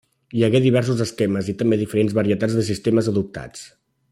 Hi hagué diversos esquemes i també diferents varietats de sistemes adoptats.